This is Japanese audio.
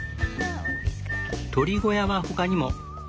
鶏小屋は他にも。